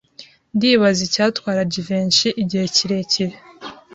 Ndibaza icyatwara Jivency igihe kirekire.